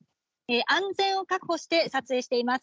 安全を確保して撮影しています。